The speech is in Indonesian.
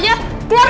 jangan di sini